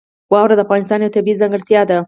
واوره د افغانستان یوه طبیعي ځانګړتیا ده.